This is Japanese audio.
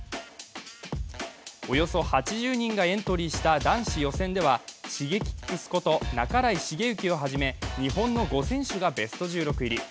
およそ８０人がエントリーした男子予選ではＳｈｉｇｅｋｉｘこと半井重幸をはじめ日本の５選手がベスト１６入り。